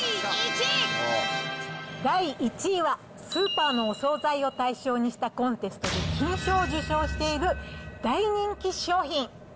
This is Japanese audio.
第１位は、スーパーのお総菜を対象にしたコンテストで金賞を受賞している大人気商品。